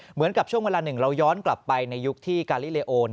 เหมือนกับช่วงเวลาหนึ่งเราย้อนกลับไปในยุคที่กาลิเลโอ